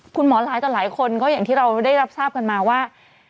หลายต่อหลายคนก็อย่างที่เราได้รับทราบกันมาว่า